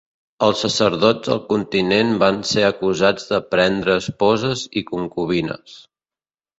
Els sacerdots al continent van ser acusats de prendre esposes i concubines.